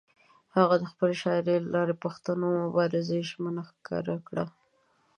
هغه د خپلې شاعرۍ له لارې د پښتنو د مبارزې ژمنه ښکاره کړه.